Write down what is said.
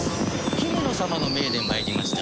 ヒメノ様の命で参りました。